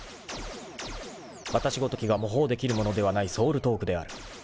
［わたしごときが模倣できるものではないソウルトークである］